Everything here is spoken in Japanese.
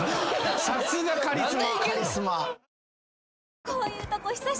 さすがカリスマ。